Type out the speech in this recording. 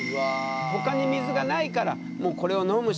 ほかに水がないからもうこれを飲むしかない。